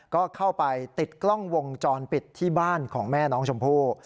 ก็เข้าไปติดกล้องวงจรปิดที่บ้านของแม่น้องชมพู่